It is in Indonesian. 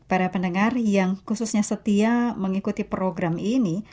para pendengar yang khususnya setia mengikuti program ini